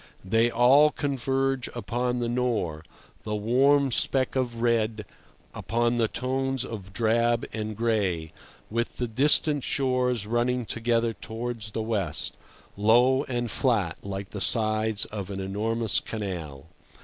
They all converge upon the Nore, the warm speck of red upon the tones of drab and gray, with the distant shores running together towards the west, low and flat, like the sides of an enormous canal.